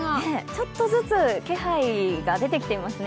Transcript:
ちょっとずつ気配が出てきていますね。